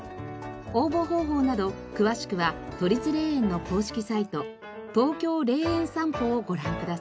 応募方法など詳しくは都立霊園の公式サイト「ＴＯＫＹＯ霊園さんぽ」をご覧ください。